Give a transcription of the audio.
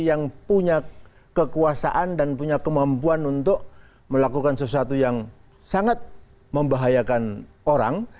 yang punya kekuasaan dan punya kemampuan untuk melakukan sesuatu yang sangat membahayakan orang